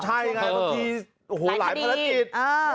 ใช่ไงเมื่อกี้หลายภาระจิต